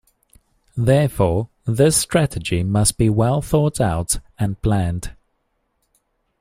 Therefore, this strategy must be well thought out and planned.